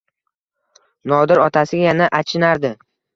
Nodir otasiga yana achinardi.